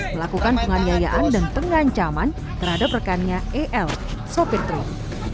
melakukan penganiayaan dan pengancaman terhadap rekannya el sopir truk